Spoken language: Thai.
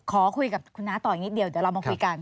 ขอคุยกับคุณน้าต่ออีกนิดเดียวเดี๋ยวเรามาคุยกัน